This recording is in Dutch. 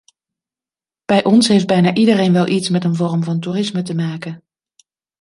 Bij ons heeft bijna iedereen wel iets met een vorm van toerisme te maken.